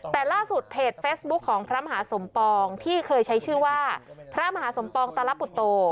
แต่ล่าสุดเพจเฟซบุ๊คของพระมหาสมปองที่เคยใช้ชื่อว่าพระมหาสมปองตลปุตโต